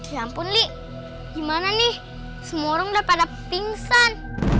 ya ampun li gimana nih semua orang udah pada pingsan